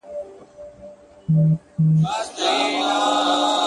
گيلاس خالي. تياره کوټه ده او څه ستا ياد دی.